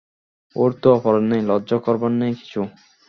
ওর তো অপরাধ নেই, লজ্জা করবার নেই কিছু।